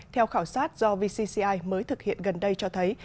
theo khảo sát do vcci mới thực hiện gần đây cho thấy